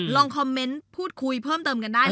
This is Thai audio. ลองคอมเมนต์พูดคุยเพิ่มเติมกันได้